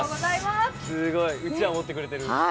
うちわ、持ってくれてる。